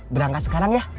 berangkat sekarang ya